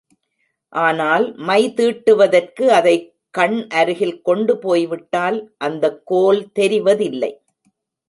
ஆனால் மை தீட்டுவதற்கு அதைக் கண் அருகில் கொண்டு போய்விட்டால் அந்தக் கோல் தெரிவதில்லை.